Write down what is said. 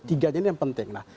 tiganya ini yang penting